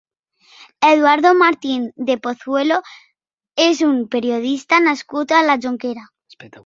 Eduardo Martín de Pozuelo és un periodista nascut a la Jonquera.